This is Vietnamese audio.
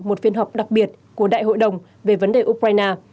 một phiên họp đặc biệt của đại hội đồng về vấn đề ukraine